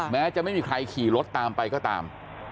แม้จะไม่มีใครขี่รถตามไปก็ตาม